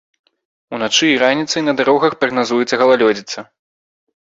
Уначы і раніцай на дарогах прагназуецца галалёдзіца.